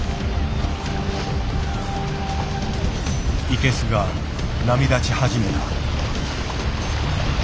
イケスが波立ち始めた。